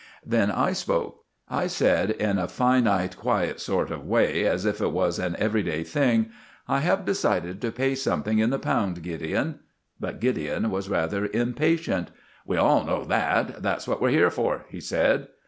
Then I spoke. I said, in finite a quiet sort of way, as if it was an everyday thing— "I have decided to pay something in the pound, Gideon." But Gideon was rather impatient. "We all know that. That's what we're here for," he said.